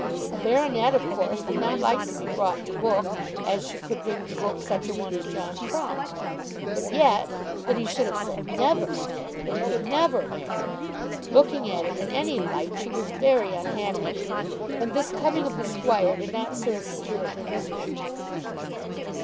A baronet of course would not like to be brought to book, as she could bring to book such a one as John Crumb. But yet, that he should have said never; that he would never marry! Looking at it in any light, she was very unhappy, and this coming of the Squire did not serve to cure her misery.